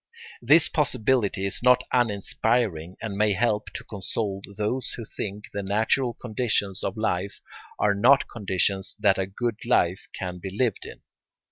This possibility is not uninspiring and may help to console those who think the natural conditions of life are not conditions that a good life can be lived in.